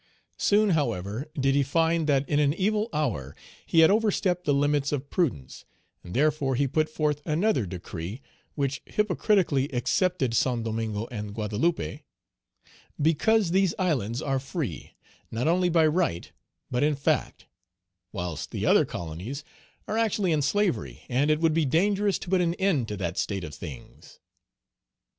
Soon, however, did he find that in an evil hour he had overstepped the limits of prudence; and therefore he put forth another decree which hypocritically excepted Saint Domingo and Guadeloupe, "because these islands are free, not only by right, but in fact, whilst the other colonies are actually in slavery, and it would be dangerous to put an end to that state of things."